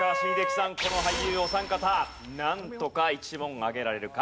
この俳優お三方なんとか１問上げられるか？